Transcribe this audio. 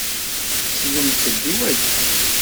Slemt-d i waya!